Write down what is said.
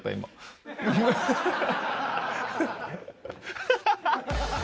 アハハハ！